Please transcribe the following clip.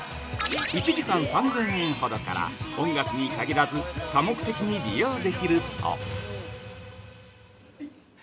１時間３０００円ほどから音楽に限らず多目的に利用できるそう。